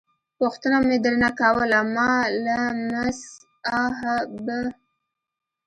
پوښتنه مې در نه کوله ما …ل …م ص … ا .. ح… ب.